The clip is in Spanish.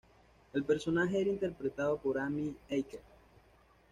El personaje era interpretado por Amy Acker.